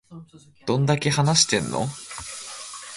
どんだけ話してんの